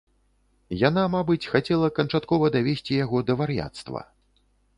Яна, мабыць, хацела канчаткова давесці яго да вар'яцтва.